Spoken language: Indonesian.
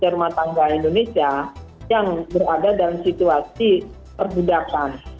rumah tangga indonesia yang berada dalam situasi perbudakan